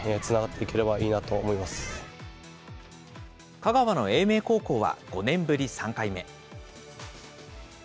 香川の英明高校は５年ぶり３回目。